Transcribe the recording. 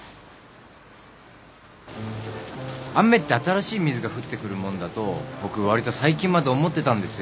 雨って新しい水が降ってくるもんだと僕わりと最近まで思ってたんですよ。